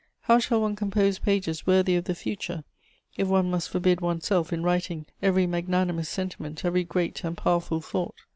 How shall one compose pages worthy of the future, if one must forbid one's self, in writing, every magnanimous sentiment, every great and powerful thought?